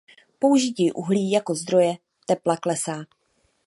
Použití uhlí jako zdroje tepla klesá.